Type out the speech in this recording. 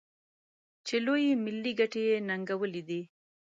چې لویې ملي ګټې یې ننګولي دي.